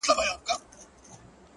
دارو د پوهي وخورﺉ کنې عقل به مو وخوري,